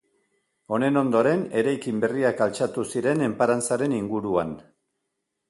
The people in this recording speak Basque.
Honen ondoren eraikin berriak altxatu ziren enparantzaren inguruan.